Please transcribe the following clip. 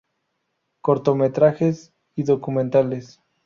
Cortometrajes y documentales